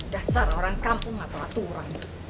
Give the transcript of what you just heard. dasar orang kampung apa aturan